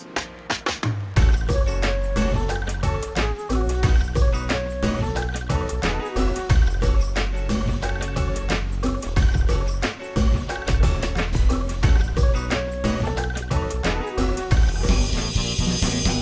bagaimana kamu menguatkan visi dan misi bang edi